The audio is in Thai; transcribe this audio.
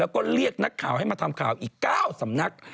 แล้วก็เรียกนักข่าวให้มาทำข่าวอีก๙สำนัก